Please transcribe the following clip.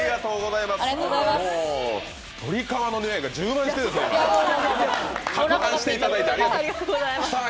もう、とり皮の匂いが充満しててかくはんしていただいてありがとうございます。